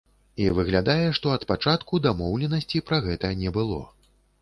І выглядае, што ад пачатку дамоўленасці пра гэта не было.